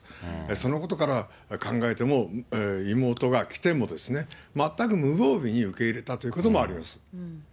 そのことから考えても、妹が来ても全く無防備に受け入れたということもあります。